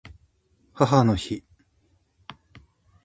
母の日